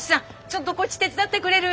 ちょっとこっち手伝ってくれる？